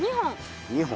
２本。